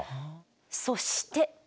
そして。